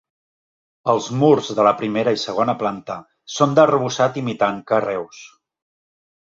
Els murs de la primera i segona planta són d'arrebossat imitant carreus.